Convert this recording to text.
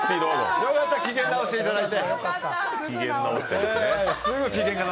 よかった、機嫌直していただいて。